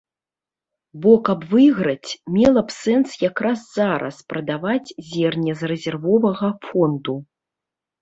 Бо каб выйграць, мела б сэнс якраз зараз прадаваць зерне з рэзервовага фонду.